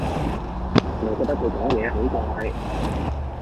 我覺得佢講嘢好怪